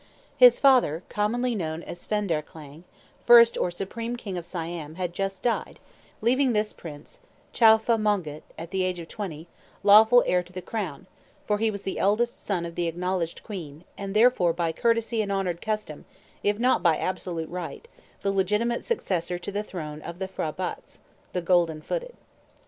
His father, commonly known as Phen den Klang, first or supreme king of Siam, had just died, leaving this prince, Chowfa Mongkut, at the age of twenty, lawful heir to the crown; for he was the eldest son of the acknowledged queen, and therefore by courtesy and honored custom, if not by absolute right, the legitimate successor to the throne of the P'hra batts. [Footnote: The Golden footed.